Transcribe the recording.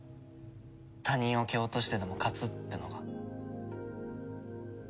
他人を蹴落としてでも勝つってのが。